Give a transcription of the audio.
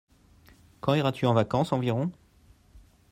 Quand iras-tu en vacances environ ?